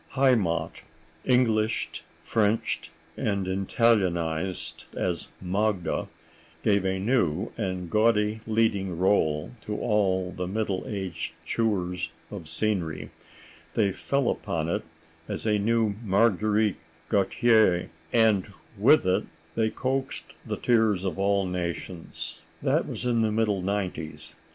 "Heimat," Englished, Frenched and Italianized as "Magda," gave a new and gaudy leading rôle to all the middle aged chewers of scenery; they fell upon it as upon a new Marguerite Gautier, and with it they coaxed the tears of all nations. That was in the middle nineties.